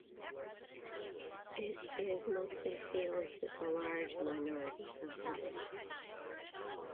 It is mostly fields, with a large minority of woodland.